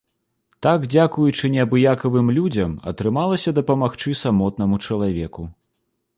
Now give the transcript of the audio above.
Так дзякуючы неабыякавым людзям атрымалася дапамагчы самотнаму чалавеку.